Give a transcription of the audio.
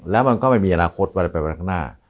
แล้วมันก็ไม่มีอนาคตว่าจะไปวันข้างหน้า